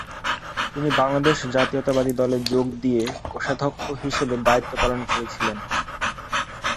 তিনি বাংলাদেশ জাতীয়তাবাদী দলে যোগ দিয়ে কোষাধ্যক্ষ হিসাবে দায়িত্ব পালন করেছিলেন।